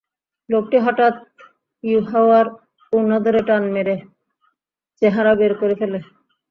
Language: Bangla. লোকটি হঠাৎ ইউহাওয়ার উড়না ধরে টান মেরে চেহারা বের করে ফেলে।